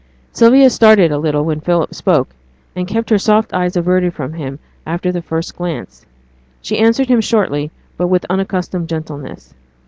Sylvia started a little when Philip spoke, and kept her soft eyes averted from him after the first glance; she answered him shortly, but with unaccustomed gentleness.